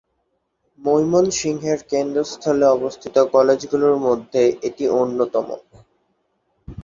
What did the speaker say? ময়মনসিংহের কেন্দ্রস্থলে অবস্থিত কলেজগুলোর মধ্যে এটি অন্যতম।